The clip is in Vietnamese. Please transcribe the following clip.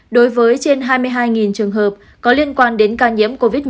đối với trên hai mươi hai trường hợp có liên quan đến ca nhiễm covid một mươi chín